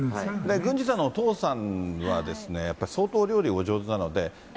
郡司さんのお父さんはですね、やっぱり相当、お料理お上手なので。